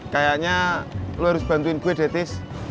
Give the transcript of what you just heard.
kayaknya lo harus bantuin gue deh tris